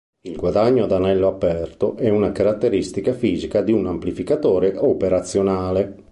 Il guadagno ad anello aperto è una caratteristica fisica di un amplificatore operazionale.